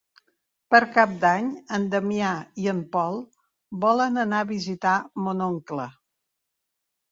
Per Cap d'Any en Damià i en Pol volen anar a visitar mon oncle.